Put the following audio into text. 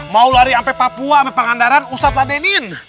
mau lari ampe papua ampe pangandaran ustadz ladenin